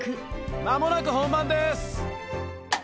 まもなく本番です。